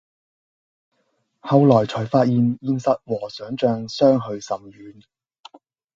後來才發現現實和想像相去甚遠